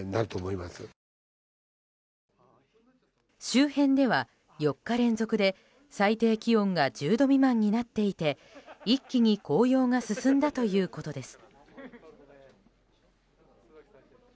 周辺では４日連続で最低気温が１０度未満になっていて一気に紅葉が進んだということです。